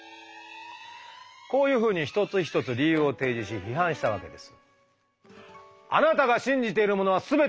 こういうふうに一つ一つ理由を提示し批判したわけです。